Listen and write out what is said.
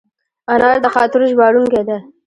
انا د خاطرو ژباړونکې ده